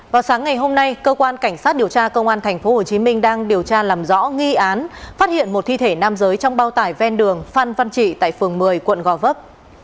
vào sáng ngày hôm nay cơ quan cảnh sát điều tra công an tp hcm đang điều tra làm rõ nghi án phát hiện một thi thể nam giới trong bao tải ven đường phan văn trị tại phường một mươi quận gò vấp